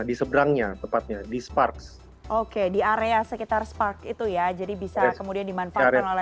di seberangnya tepatnya di sparks oke di area sekitar spark itu ya jadi bisa kemudian dimanfaatkan oleh